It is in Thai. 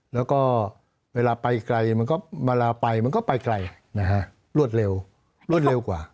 แล้วก็เวลาไปไกลมันก็ไปไกลรวดเร็วกว่า